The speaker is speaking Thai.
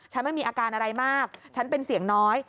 ไม่มีอาการอะไรมากฉันเป็นเสียงน้อย